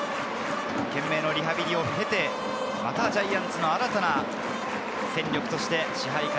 懸命のリハビリを経てまたジャイアンツの新たな戦力として支配下